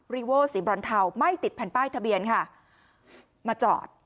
โว้สีบรอนเทาไม่ติดแผ่นป้ายทะเบียนค่ะมาจอด